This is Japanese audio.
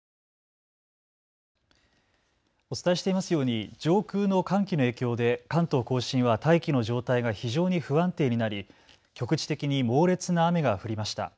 お伝えしていますように上空の寒気の影響で関東甲信は大気の状態が非常に不安定になり局地的に猛烈な雨が降りました。